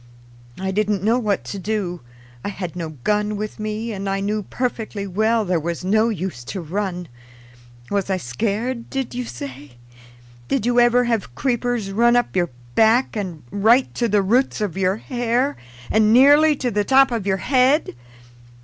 I didn't know what to do. I had no gun with me, and I knew perfectly well there was no use to run. Was I scared, did you say? Did you ever have creepers run up your back and right to the roots of your hair, and nearly to the top of your head?